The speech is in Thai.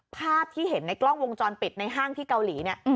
ภาพที่เห็นในกล้องวงจรปิดในห้างที่เกาหลีเนี่ย